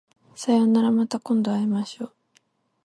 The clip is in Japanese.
さようならまた今度会いましょう